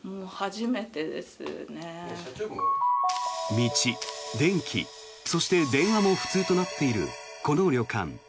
道、電気、そして電話も不通となっているこの旅館。